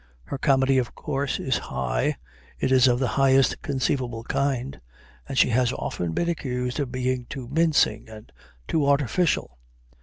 Her comedy of course is "high"; it is of the highest conceivable kind, and she has often been accused of being too mincing and too artificial.